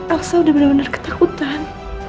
elsa udah bener bener ketakutan